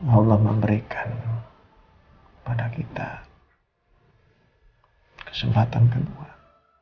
allah memberikan kepada kita kesempatan kedua